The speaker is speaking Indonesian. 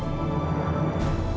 aku mau pulang